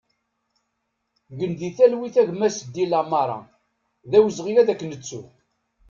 Gen di talwit a gma Seddi Lamara, d awezɣi ad k-nettu!